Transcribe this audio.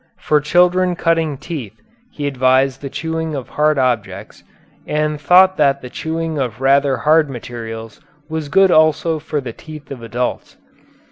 For children cutting teeth he advised the chewing of hard objects, and thought that the chewing of rather hard materials was good also for the teeth of adults.